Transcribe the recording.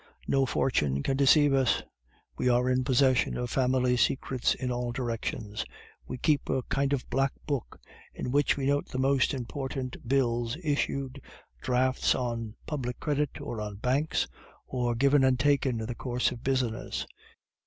No fortune can deceive us; we are in possession of family secrets in all directions. We keep a kind of Black Book, in which we note the most important bills issued, drafts on public credit, or on banks, or given and taken in the course of business.